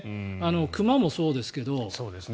熊もそうですけど。